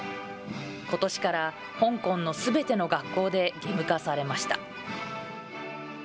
ことしから、香港のすべての学校で義務化されました。